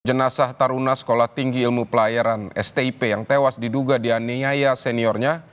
jenazah taruna sekolah tinggi ilmu pelayaran stip yang tewas diduga dianiaya seniornya